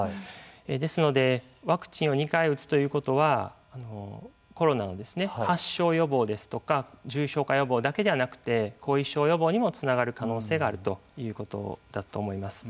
ですので、ワクチンを２回打つということはコロナの発症予防ですとか重症化予防だけではなくて後遺症予防にもつながる可能性があるということだと思います。